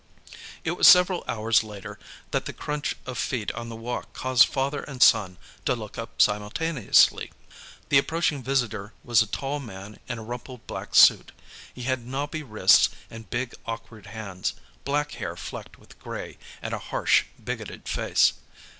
It was several hours later that the crunch of feet on the walk caused father and son to look up simultaneously. The approaching visitor was a tall man in a rumpled black suit; he had knobby wrists and big, awkward hands; black hair flecked with gray, and a harsh, bigoted face.